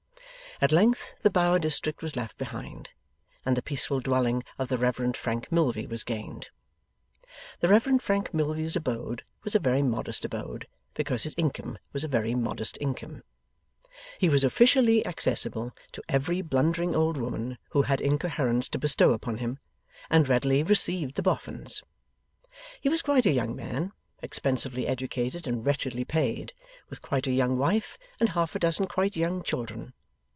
At length the Bower district was left behind, and the peaceful dwelling of the Reverend Frank Milvey was gained. The Reverend Frank Milvey's abode was a very modest abode, because his income was a very modest income. He was officially accessible to every blundering old woman who had incoherence to bestow upon him, and readily received the Boffins. He was quite a young man, expensively educated and wretchedly paid, with quite a young wife and half a dozen quite young children.